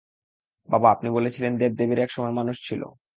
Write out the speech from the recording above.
বাবা, আপনি বলেছিলেন দেব-দেবীরা একসময় মানুষ ছিল?